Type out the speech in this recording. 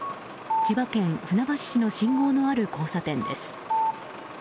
千葉県船橋市の信号のある交差点です。